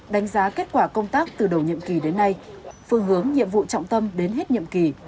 đánh giá kết quả công tác từ đầu nhiệm kỳ đến nay phương hướng nhiệm vụ trọng tâm đến hết nhiệm kỳ